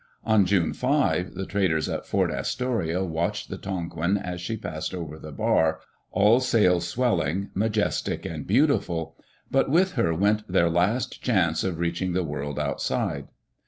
On June 5, the traders at Fort Astoria watched the Tonquin as she passed over the bar, all sails swelling, majestic and beautiful. But with her went their last chance of reaching the world outside.